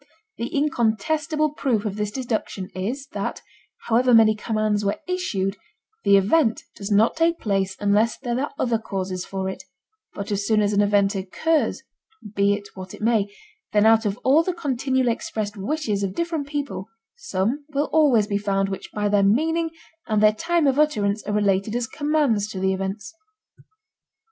The incontestable proof of this deduction is that, however many commands were issued, the event does not take place unless there are other causes for it, but as soon as an event occurs—be it what it may—then out of all the continually expressed wishes of different people some will always be found which by their meaning and their time of utterance are related as commands to the events.